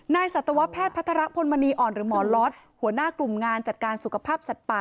สัตวแพทย์พัฒระพลมณีอ่อนหรือหมอล็อตหัวหน้ากลุ่มงานจัดการสุขภาพสัตว์ป่า